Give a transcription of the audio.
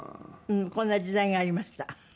こんな時代がありました。